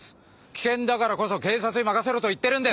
危険だからこそ警察に任せろと言ってるんです！